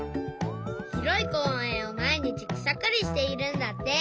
ひろいこうえんをまいにちくさかりしているんだって。